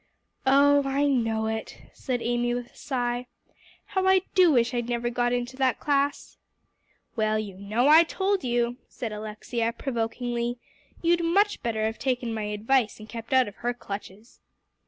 "Oh, I know it," said Amy with a sigh. "How I do wish I never'd got into that class!" "Well, you know I told you," said Alexia provokingly; "you'd much better have taken my advice and kept out of her clutches."